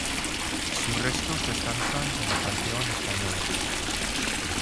Sus restos descansan en el Panteón Español.